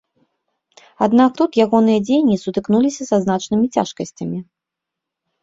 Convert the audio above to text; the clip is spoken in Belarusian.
Аднак тут ягоныя дзеянні сутыкнуліся са значнымі цяжкасцямі.